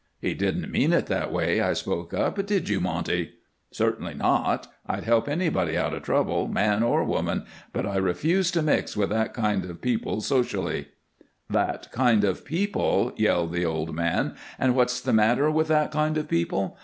"He didn't mean it that way," I spoke up. "Did you, Monty?" "Certainly not. I'd help anybody out of trouble man or woman but I refuse to mix with that kind of people socially." "'That kind of people,'" yelled the old man. "And what's the matter with that kind of people?